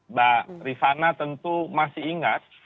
mbak rifana tentu masih ingat